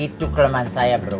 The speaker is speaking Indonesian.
itu kelemahan saya bro